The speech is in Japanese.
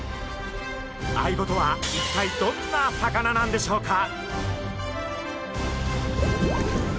アイゴとは一体どんな魚なんでしょうか？